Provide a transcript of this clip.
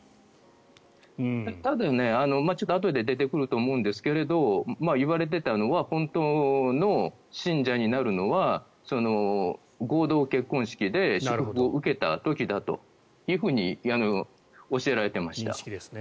あとでちょっと出てくると思うんですけど言われていたのは本当の信者になるのは合同結婚式で祝福を受けた時だと教えられていました。